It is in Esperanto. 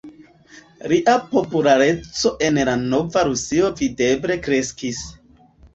Lia populareco en la nova Rusio videble kreskis.